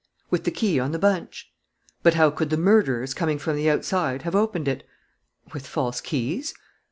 "With the key on the bunch." "But how could the murderers, coming from the outside, have opened it?" "With false keys."